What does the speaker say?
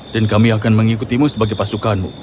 dan kami akan mengikutimu sebagai pasukanmu